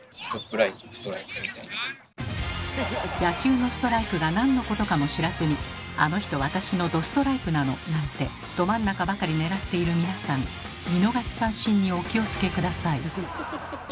野球のストライクが何のことかも知らずに「あの人私のどストライクなの」なんてど真ん中ばかり狙っている皆さん見逃し三振にお気を付け下さい。